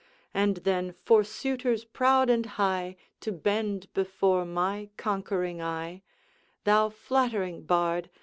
And then for suitors proud and high, To bend before my conquering eye, Thou, flattering bard!